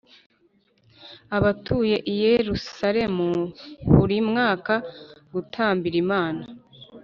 abatuye i Yerusalemu buri mwaka gutambira imana